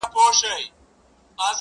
• غزل مي درلېږمه خوښوې یې او که نه ,